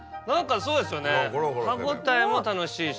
そうですよね歯応えも楽しいし。